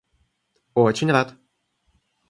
Очень рад.